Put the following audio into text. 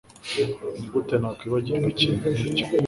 Nigute nakwibagirwa ikintu nkicyo